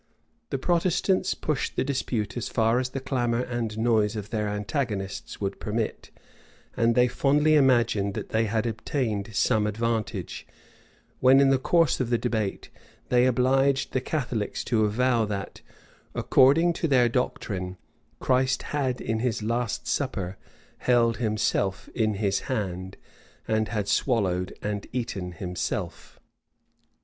The Protestants pushed the dispute as far as the clamor and noise of their antagonists would permit; and they fondly imagined that they had obtained some advantage, when, in the course of the debate, they obliged the Catholics to avow that, according to their doctrine, Christ had in his last supper held himself in his hand, and had swallowed and eaten himself.